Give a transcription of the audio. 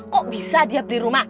kok bisa dia beli rumah